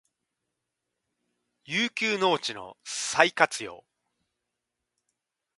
遊休農地の再活用